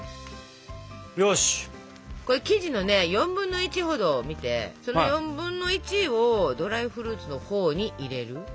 これ生地の４分の１ほどを見てその４分の１をドライフルーツのほうに入れる。